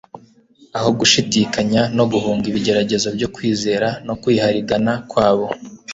Aho gushidikanya no guhunga ibigeragezo byo kwizera no kwiharigana kwabo,